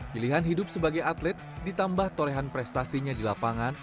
pilihan hidup sebagai atlet ditambah torehan prestasinya di lapangan